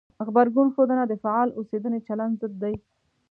غبرګون ښودنه د فعال اوسېدنې چلند ضد دی.